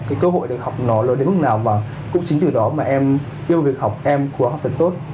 cái cơ hội được học nó lên đến mức nào và cũng chính từ đó mà em yêu việc học em cố gắng học thật tốt